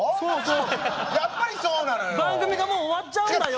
やっぱりそうなのよ。